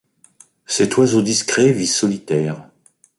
Cet oiseau discret vit solitaire.